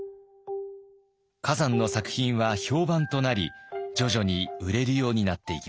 崋山の作品は評判となり徐々に売れるようになっていきます。